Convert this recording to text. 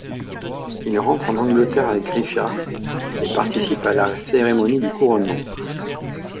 Il rentre en Angleterre avec Richard, et participe à la cérémonie de couronnement.